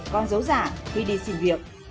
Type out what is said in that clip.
con dấu giả khi đi xin việc